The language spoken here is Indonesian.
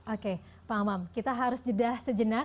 oke pak amam kita harus jeda sejenak